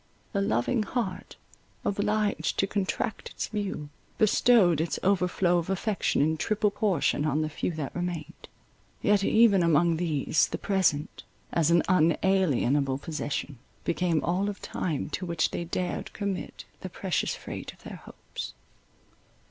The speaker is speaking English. The loving heart, obliged to contract its view, bestowed its overflow of affection in triple portion on the few that remained. Yet, even among these, the present, as an unalienable possession, became all of time to which they dared commit the precious freight of their hopes.